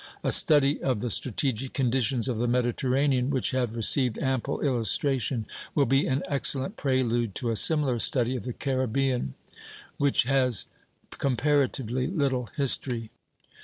A study of the strategic conditions of the Mediterranean, which have received ample illustration, will be an excellent prelude to a similar study of the Caribbean, which has comparatively little history.